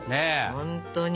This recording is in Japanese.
本当に。